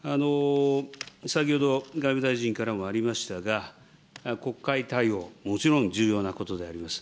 先ほど外務大臣からもありましたが、国会対応、もちろん重要なことであります。